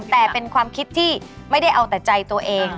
แต่เป็นความคิดที่ไม่ได้เอาแต่ใจตัวเอง